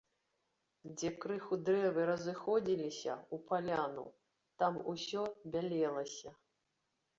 Дзе крыху дрэвы разыходзіліся ў паляну, там усё бялелася.